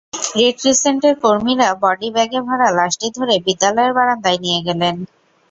Red ক্রিসেন্টের কর্মীরা body ব্যাগে ভরা লাশটি ধরে বিদ্যালয়ের বারান্দায় নিয়ে গেলেন।